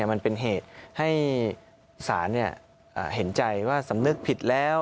มันเป็นเหตุให้ศาลเห็นใจว่าสำนึกผิดแล้ว